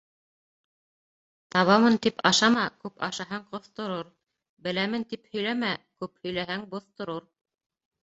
«Табамын» тип ашама, күп ашаһаң, ҡоҫторор; «Беләмен» тип һөйләмә, күп һөйләһәң, боҫторор.